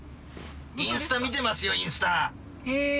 インスタ見てますよインスタ。へインスタ？